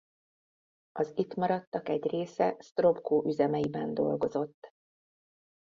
Az itt maradtak egy része Sztropkó üzemeiben dolgozott.